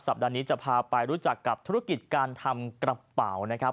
ปัดนี้จะพาไปรู้จักกับธุรกิจการทำกระเป๋านะครับ